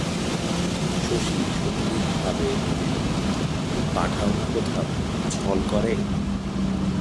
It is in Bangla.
শশী সন্দিগ্ধভাবে বলিল, তুমি পাঠাওনি কোথাও, ছল করে?